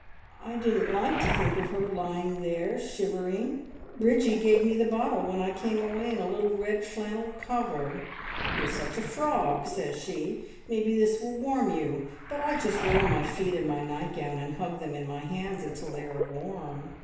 "I didn't like to think of her lying there shivering. Bridgie gave me the bottle when I came away in a little red flannel cover. `You're such a frog!' says she, `maybe this will warm you,' but I just roll my feet in my nightgown and hug them in my hands until they are warm.